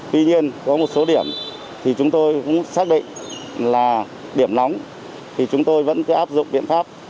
tuy nhiên có một số điểm thì chúng tôi cũng xác định là điểm nóng thì chúng tôi vẫn cứ áp dụng biện pháp